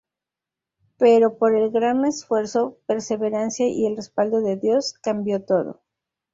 Pero por el gran esfuerzo, perseverancia y el respaldo de Dios, cambio todo.